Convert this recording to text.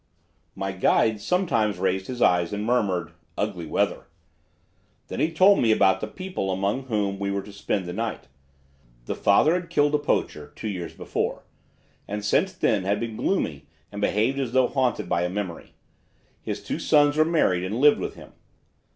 "My guide sometimes raised his eyes and murmured: 'Ugly weather!' Then he told me about the people among whom we were to spend the night. The father had killed a poacher, two years before, and since then had been gloomy and behaved as though haunted by a memory. His two sons were married and lived with him.